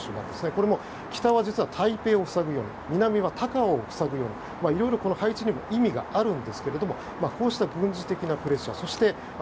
これも北は台北を塞ぐように南は高雄を塞ぐようにいろいろ配置にも意味があるんですがこうした軍事的なプレッシャー。